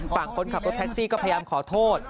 คนขับรถแท็กซี่ก็พยายามขอโทษ